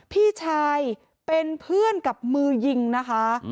พี่ชายเป็นเพื่อนกับมือยิงนะคะ